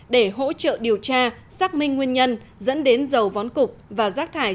để hỗ trợ điều tra xác minh nguyên nhân dẫn đến dầu vón cục và rác thải